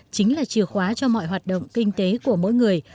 chính là chìa khóa cho mọi hoạt động kinh tế của mỗi người